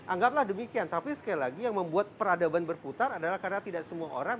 anggaplah demikian tapi sekali lagi yang membuat peradaban berputar adalah karena tidak semua orang